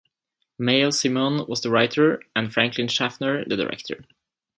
Mayo Simon was the writer and Franklin Schaffner the director.